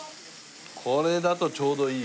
これだとちょうどいいよね。